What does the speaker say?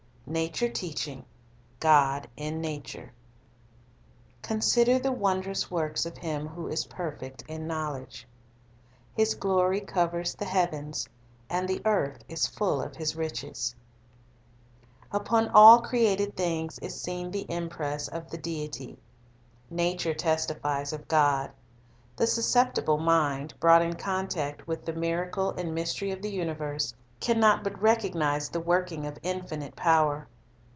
Nature Teaching "Consider the wondrous icorks of Him who is perfect in knoivledge" God in Nature "his glory COVERS THE HEAVENS;" "and the earth is full ok ins riches" T TPON all created things is seen the impress of the ^ J Deity. Nature testifies of God. The susceptible mind, brought in contact with the miracle and mystery of the universe, can not but recognize the working of Thc Pervading infinite power.